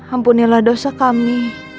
ampunilah dosa kami